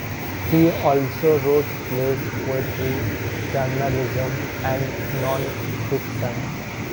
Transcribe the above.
He also wrote plays, poetry, journalism, and non-fiction.